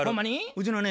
うちのね